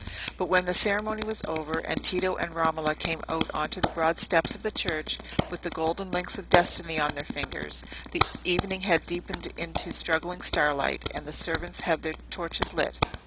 But when the ceremony was over, and Tito and Romola came out on to the broad steps of the church, with the golden links of destiny on their fingers, the evening had deepened into struggling starlight, and the servants had their torches lit.